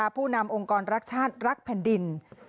ผู้นำองค์กรรักชาติรักแผ่นดิน